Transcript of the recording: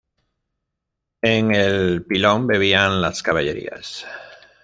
En el pilón bebían las caballerías.